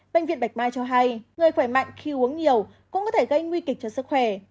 bệnh viện bạch mai cho hay người khỏe mạnh khi uống nhiều cũng có thể gây nguy kịch cho sức khỏe